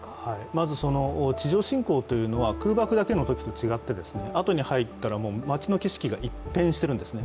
まず地上侵攻というのは空爆だけのときとは違って後に入ったら町の景色が一転してるんですね。